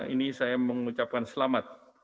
ini saya mengucapkan selamat